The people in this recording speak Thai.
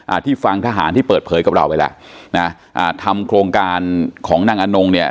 ที่ฟังทหารที่เปิดเผยกับเราไปแล้วนะอ่าทำโครงการของนางอนงเนี่ย